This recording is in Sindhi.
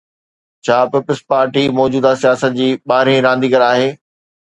ڇا پيپلز پارٽي موجوده سياست جي ٻارهين رانديگر آهي؟